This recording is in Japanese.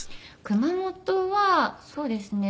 熊本はそうですね。